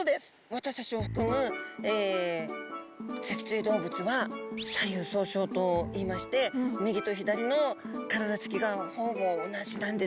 私たちをふくむせきつい動物は左右相称といいまして右と左の体つきがほぼ同じなんですね。